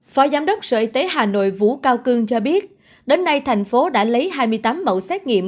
phó giám đốc sở y tế hà nội vũ cao cương cho biết đến nay thành phố đã lấy hai mươi tám mẫu xét nghiệm